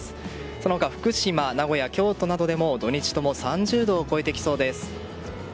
その他福島、名古屋、京都などでも土日とも３０度を超えてきそうです。